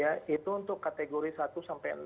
ya itu untuk kategori satu sampai enam